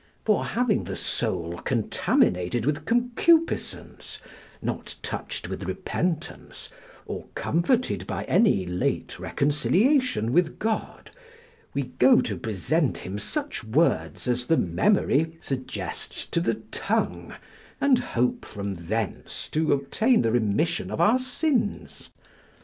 For having the soul contaminated with concupiscence, not touched with repentance, or comforted by any late reconciliation with God, we go to present Him such words as the memory suggests to the tongue, and hope from thence to obtain the remission of our sins.